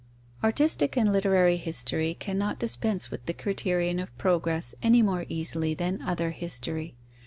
_ Artistic and literary history cannot dispense with the criterion of progress any more easily than other history.